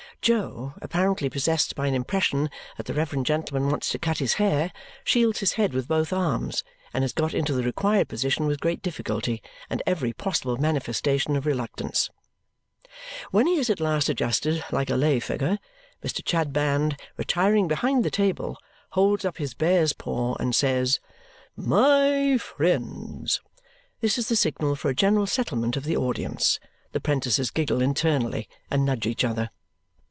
Jo, apparently possessed by an impression that the reverend gentleman wants to cut his hair, shields his head with both arms and is got into the required position with great difficulty and every possible manifestation of reluctance. When he is at last adjusted like a lay figure, Mr. Chadband, retiring behind the table, holds up his bear's paw and says, "My friends!" This is the signal for a general settlement of the audience. The 'prentices giggle internally and nudge each other.